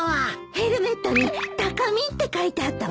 ヘルメットに「高見」って書いてあったわ。